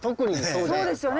そうですよね。